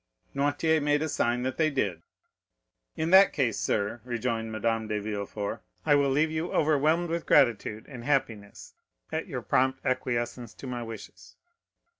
Noirtier made a sign that they did. "In that case, sir," rejoined Madame de Villefort, "I will leave you overwhelmed with gratitude and happiness at your prompt acquiescence to my wishes."